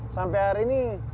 sampai hari ini